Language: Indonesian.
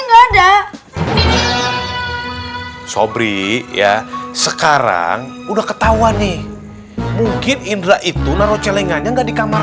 nggak ada sobri ya sekarang udah ketahuan nih mungkin indra itu naro celenganya nggak di kamar